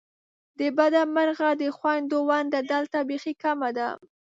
د بده مرغه د خوېندو ونډه دلته بیخې کمه ده !